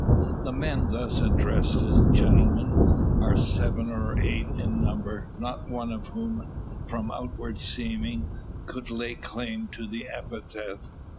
The men thus addressed as "gentlemen" are seven or eight in number; not one of whom, from outward seeming, could lay claim to the epithet.